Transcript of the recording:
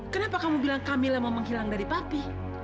kenapa kamu bilang kamila mau menghilang dari papi